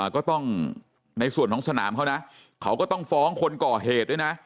ก็ต้องในส่วนของสนามเขานะเขาก็ต้องฟ้องคนก่อเหตุด้วยนะ